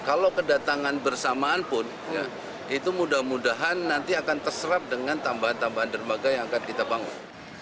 kalau kedatangan bersamaan pun itu mudah mudahan nanti akan terserap dengan tambahan tambahan dermaga yang akan kita bangun